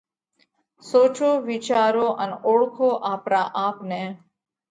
سوچو وِيچارو ان اوۯکو آپرا آپ نئہ!